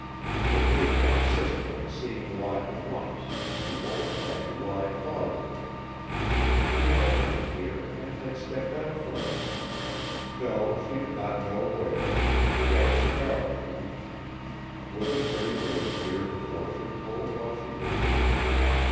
But Eva insisted on seeing Locke at once and the old hag lied volubly. He had been here, and had stepped out for a moment. No, she did not know where to get a cigar, maybe. Would the pretty lady hear her fortune told while she waited?